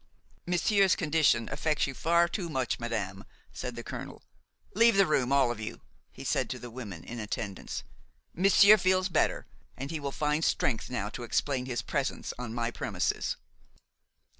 "Monsieur's condition affects you far too much, madame," said the colonel. "Leave the room, all of you," he said to the women in attendance. "Monsieur feels better, and he will find strength now to explain his presence on my premises."